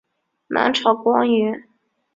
南朝官员。